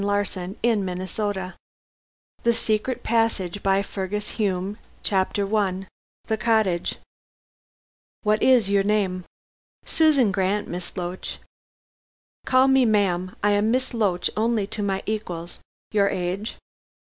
CUTHBERT'S ENEMY THE SECRET PASSAGE CHAPTER I THE COTTAGE "What IS your name?" "Susan Grant, Miss Loach." "Call me ma'am. I am Miss Loach only to my equals. Your age?"